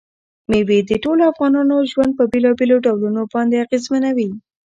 مېوې د ټولو افغانانو ژوند په بېلابېلو ډولونو باندې اغېزمنوي.